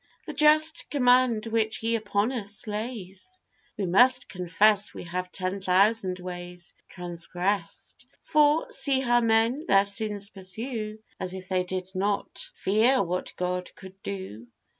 The just command which He upon us lays, We must confess we have ten thousand ways Transgressed; for see how men their sins pursue, As if they did not fear what God could do.